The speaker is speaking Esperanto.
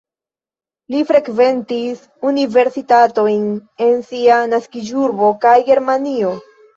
Li frekventis universitatojn en sia naskiĝurbo kaj Germanio.